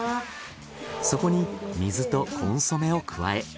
そこに水とコンソメを加え。